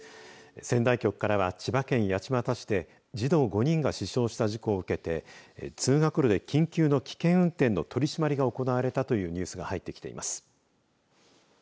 仙台局からは、千葉県八街市で児童５人が死傷した事故を受けて通学路で緊急の危険運転の取り締まりが行われたというニュースが入ってきています。